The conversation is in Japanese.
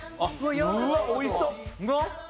うわおいしそう！